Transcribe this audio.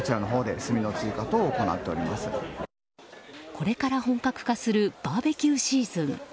これから本格化するバーベキューシーズン。